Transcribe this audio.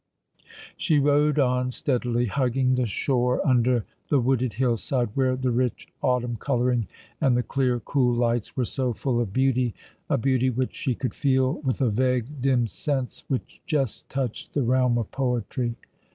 She rowed on steadily, hugging the shore under the wooded hillside, where the rich autumn colouring and the clear, cool lights were so full of beauty — a beauty which she could feel, with a vague, dim sense which just touched tho realm of poetry.